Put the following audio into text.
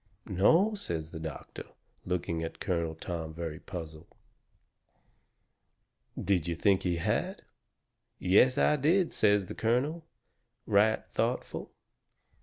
"No," says the doctor, looking at Colonel Tom very puzzled, "did you think he had?" "Yes, I did," says the colonel, right thoughtful.